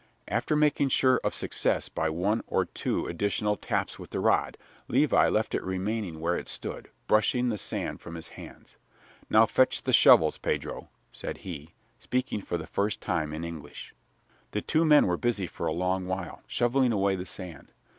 After making sure of success by one or two additional taps with the rod, Levi left it remaining where it stood, brushing the sand from his hands. "Now fetch the shovels, Pedro," said he, speaking for the first time in English. The two men were busy for a long while, shoveling away the sand.